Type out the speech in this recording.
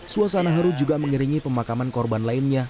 suasana haru juga mengiringi pemakaman korban lainnya